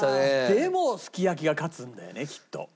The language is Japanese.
でもすき焼きが勝つんだよねきっと。